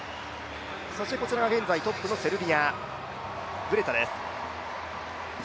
そしてこちらが現在トップのセルビアのブレタです。